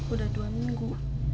udah dua minggu